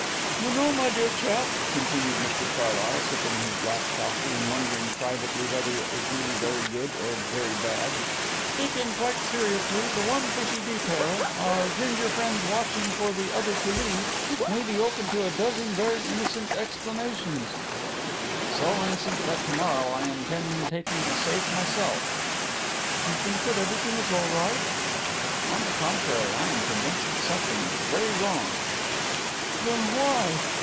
"You know, my dear chap," continued Mr Carlyle, sipping his black coffee and wondering privately whether it was really very good or very bad, "speaking quite seriously, the one fishy detail our ginger friend's watching for the other to leave may be open to a dozen very innocent explanations." "So innocent that to morrow I intend taking a safe myself." "You think that everything is all right?" "On the contrary, I am convinced that something is very wrong." "Then why